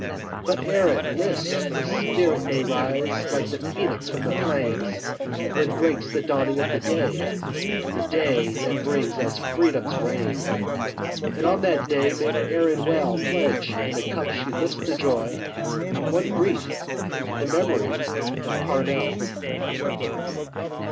But Erin, list, his spirit may Rise, like the Phœnix from the flames, When breaks the dawning of the day, The day that brings us Freedom's reign. And on that day may Erin well Pledge in the cup she lifts to Joy One grief—the memory of Parnell.